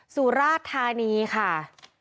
สุราชธานีค่ะ